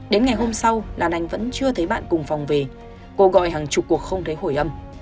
đến ngày hôm sau đàn anh vẫn chưa thấy bạn cùng phòng về cô gọi hàng chục cuộc không thấy hồi âm